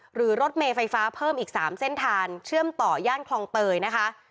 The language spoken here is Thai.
รถเมย์ไฟฟ้าเพิ่มอีก๓เส้นทางเชื่อมต่อย่านคลองเตยนะคะ